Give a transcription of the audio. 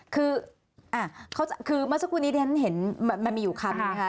คือเมื่อสักวันนี้มันมีอยู่คำนะคะ